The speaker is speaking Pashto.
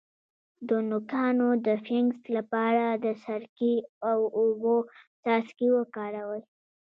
د نوکانو د فنګس لپاره د سرکې او اوبو څاڅکي وکاروئ